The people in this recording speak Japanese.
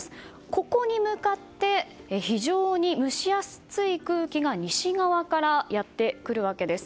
ここに向かって非常に蒸し暑い空気が西側からやってくるわけです。